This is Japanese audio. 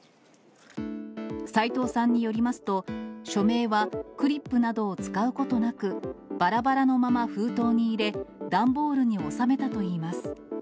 斉藤さんによりますと、署名はクリップなどを使うことなく、ばらばらのまま封筒に入れ、段ボールに収めたといいます。